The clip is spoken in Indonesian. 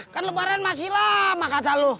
kan lebaran masih lama kata lu